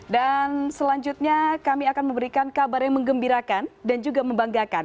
selanjutnya kami akan memberikan kabar yang mengembirakan dan juga membanggakan